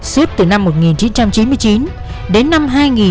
suốt từ năm một nghìn chín trăm chín mươi chín đến năm hai nghìn